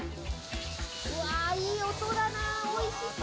いい音だな、おいしそう！